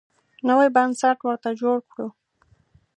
نوی بنسټ ورته جوړ کړو.